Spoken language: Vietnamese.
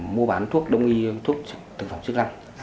mà chúng ta có thể xử lý